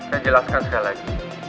saya jelaskan sekali lagi